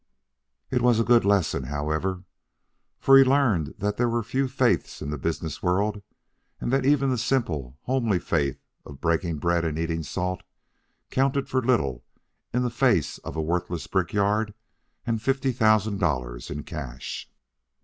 It was a good lesson, however, for he learned that there were few faiths in the business world, and that even the simple, homely faith of breaking bread and eating salt counted for little in the face of a worthless brickyard and fifty thousand dollars in cash.